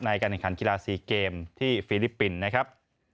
ในการแข่งขันกีฬา๔เกมที่ฟิลิปปินส์นะครับ